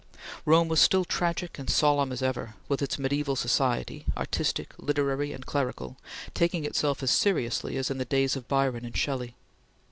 Rome was still tragic and solemn as ever, with its mediaeval society, artistic, literary, and clerical, taking itself as seriously as in the days of Byron and Shelley.